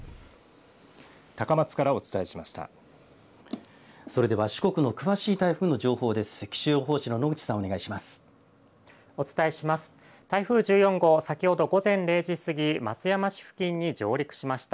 高松からお伝えしました。